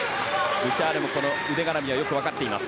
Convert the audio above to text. ブシャールも腕がらみはよく分かっています。